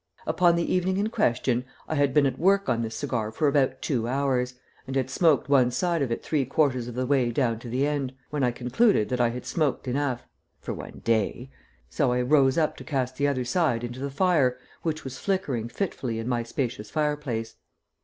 Upon the evening in question I had been at work on this cigar for about two hours, and had smoked one side of it three quarters of the way down to the end, when I concluded that I had smoked enough for one day so I rose up to cast the other side into the fire, which was flickering fitfully in my spacious fireplace.